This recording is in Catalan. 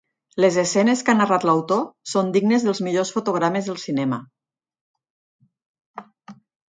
Les escenes que ha narrat l'autor són dignes dels millors fotogrames del cinema.